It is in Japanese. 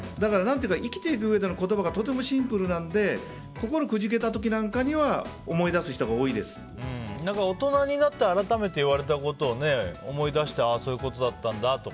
生きていくうえでの言葉がとてもシンプルなので心くじけた時なんかには大人になって改めて言われたことを思い出してそういうことだったんだって